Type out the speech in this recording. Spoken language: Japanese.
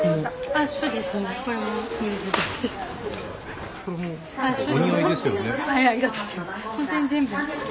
ありがとうございます。